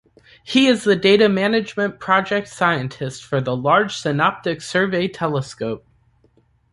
He is the Data Management Project Scientist for the Large Synoptic Survey Telescope.